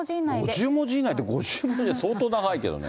５０文字以内って、５０文字って相当長いけどね。